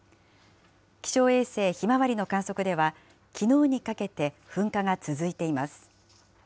気象衛星ひまわりの観測では、きのうにかけて噴火が続いています。